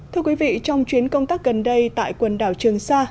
thưa quý vị trong chuyến công tác gần đây tại quần đảo trường sa